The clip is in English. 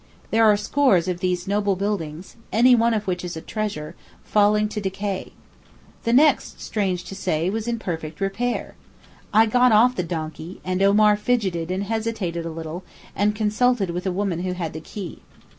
There are scores of these noble buildings, any one of which is a treasure, falling to decay. The next, strange to say, was in perfect repair. I got off the donkey, and Omar fidgeted and hesitated a little and consulted with a woman who had the key.